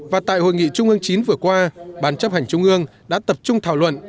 và tại hội nghị trung ương chín vừa qua bàn chấp hành trung ương đã tập trung thảo luận